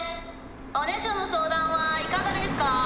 おねしょのそうだんはいかがですか」。